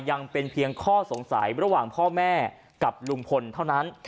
ยังเป็นเพียงข้อสงสัยระหว่างพ่อแม่กับลุงพลเท่านั้น